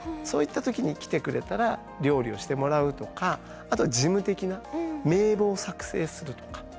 そういった時に来てくれたら料理をしてもらうとかあとは事務的な名簿を作成するとか。